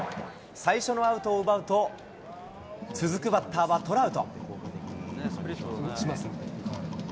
最初のアウトを奪うと、続くバッターはトラウト。